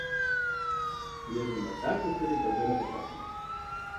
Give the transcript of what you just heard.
Езы мэзакӏуэхэри бэлэрыгъыртэкъым.